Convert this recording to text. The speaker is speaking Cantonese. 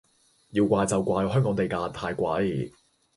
要怪就怪香港地價太貴